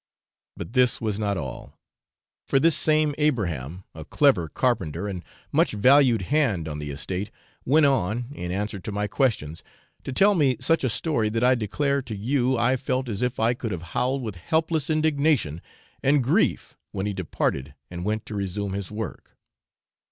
But this was not all, for this same Abraham, a clever carpenter and much valued hand on the estate, went on, in answer to my questions, to tell me such a story that I declare to you I felt as if I could have howled with helpless indignation and grief when he departed and went to resume his work.